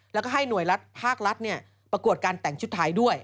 แล้วก็ให้หน่วยรัฐภาครัฐประกวดการแต่งชุดไทยด้วย